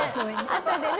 あとでね。